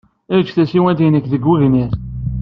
Ejj tasiwant-nnek deg wegnir.